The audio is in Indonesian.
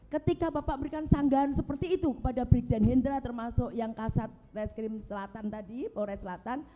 ketika bapak berikan sanggahan seperti itu kepada brigjen hendra termasuk yang kasat reskrim selatan tadi polres selatan